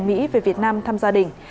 mỹ về việt nam tham gia đình